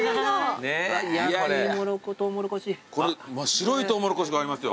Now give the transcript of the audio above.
白いトウモロコシがありますよ。